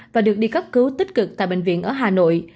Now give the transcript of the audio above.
và được đi cấp cứu tích cực tại bệnh viện ở hà nội